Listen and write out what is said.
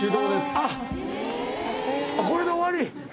あっこれで終わり。